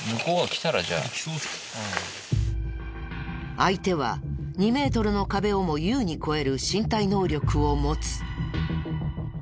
相手は２メートルの壁をも優に越える身体能力を持つ。